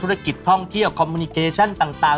ธุรกิจท่องเที่ยวคอมมูนิเคชั่นต่าง